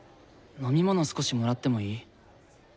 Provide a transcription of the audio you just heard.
飲み物少しもらってもいい？